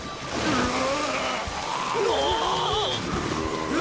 うわ！